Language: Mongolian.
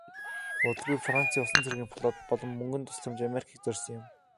Удалгүй францын усан цэргийн флот болон мөнгөн тусламж америкийг зорьсон юм.